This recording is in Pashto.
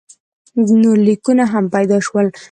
نور لیکونه هم پیدا شول.